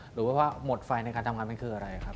หรือว่าหมดไฟในการทำงานมันคืออะไรครับ